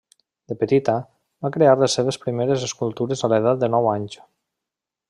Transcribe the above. De petita, va crear les seves primeres escultures a l'edat de nou anys.